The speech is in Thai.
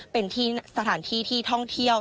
เป็นที่สถานที่ที่ท่องเที่ยว